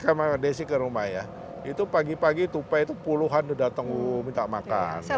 kalau ini harus pakai baju hangat